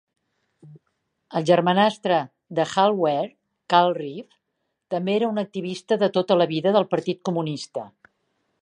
El germanastre de Hal Ware, Carl Reeve, també era un activista de tota la vida del Partit Comunista.